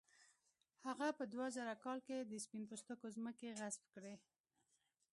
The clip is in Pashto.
هغه په دوه زره کال کې د سپین پوستو ځمکې غصب کړې.